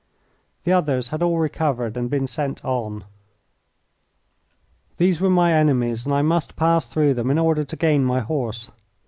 The others had all recovered and been sent on. These were my enemies, and I must pass through them in order to gain my horse.